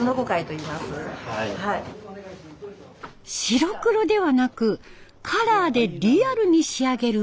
白黒ではなくカラーでリアルに仕上げる美術魚拓。